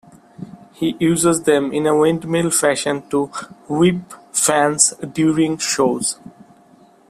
He uses them in a windmill fashion to whip fans during shows.